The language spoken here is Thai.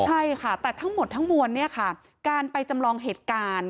ใช่ค่ะแต่ทั้งหมดทั้งมวลเนี่ยค่ะการไปจำลองเหตุการณ์